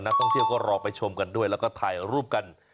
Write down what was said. นักท่องเที่ยวก็รอไปชมกันด้วยแล้วก็ถ่ายรูปกัน